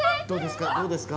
どうですか？